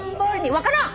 分からん！